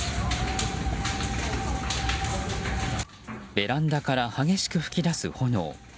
ベランダから激しく噴き出す炎。